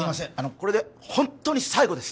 これでホントに最後です